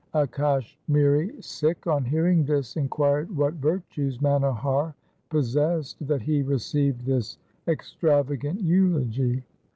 A Kashmiri Sikh on hearing this inquired what virtues Manohar possessed that he received this extravagant eulogy.